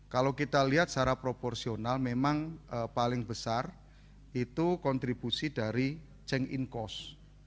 kalau kita lihat secara proporsional memang paling besar itu kontribusi dari change in cost